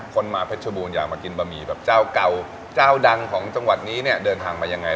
คนมาเพชรบูรณอยากมากินบะหมี่แบบเจ้าเก่าเจ้าดังของจังหวัดนี้เนี่ยเดินทางมายังไง